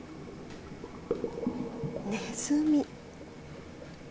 ネズミ。